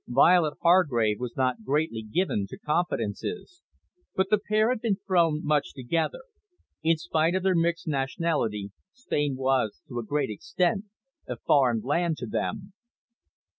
Violet Hargrave was not greatly given to confidences. But the pair had been thrown much together. In spite of their mixed nationality, Spain was, to a great extent, a foreign land to them.